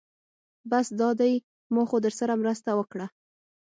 بس دا دی ما خو درسره مرسته وکړه.